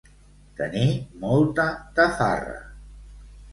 Tenir molta tafarra.